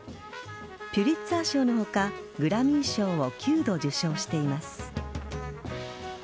ピュリッツァー賞の他グラミー賞を９度受賞しています。